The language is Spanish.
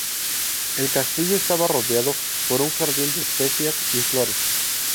El castillo estaba rodeado por un jardín de especias y flores.